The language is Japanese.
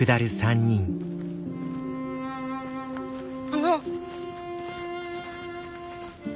あの。